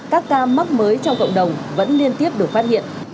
các ca mắc mới trong cộng đồng vẫn liên tiếp được phát hiện